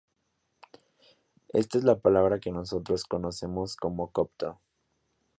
Esta es la palabra que nosotros conocemos como copto.